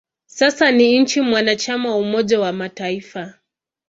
Sasa ni nchi mwanachama wa Umoja wa Mataifa.